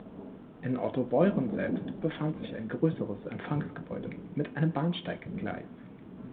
In Ottobeuren selbst befand sich ein größeres Empfangsgebäude mit einem Bahnsteiggleis.